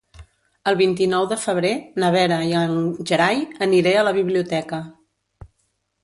El vint-i-nou de febrer na Vera i en Gerai aniré a la biblioteca.